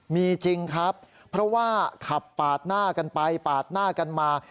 มีจริงครับเพราะว่าขับปาดหน้ากันไปปาดหน้ากันมา